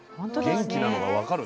元気なのが分かるもん。